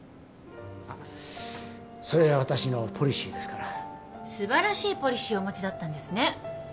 まっそれが私のポリシーですから素晴らしいポリシーをお持ちだったんですね。